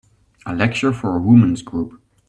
A lecture for a women 's group.